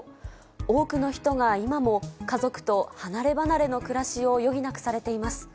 多くの人が今も、家族と離れ離れの暮らしを余儀なくされています。